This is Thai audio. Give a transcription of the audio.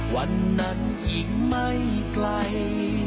วันนั้นอีกไม่ไกล